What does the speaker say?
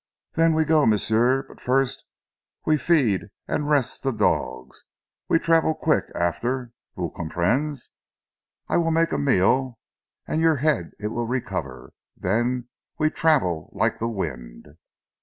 "Den we go, m'sieu. But first we feed an' rest zee dogs. We travel queeck, after, vous comprenez? I will a meal make, an' your head it will recover, den we travel lik' zee wind."